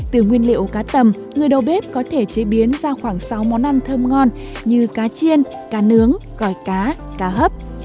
từ nguyên liệu cá tầm người đầu bếp có thể chế biến ra khoảng sáu món ăn thơm ngon như cá chiên cá nướng gỏi cá cá cá hấp